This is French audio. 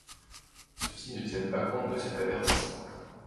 Ceux-ci ne tiennent pas compte de cet avertissement.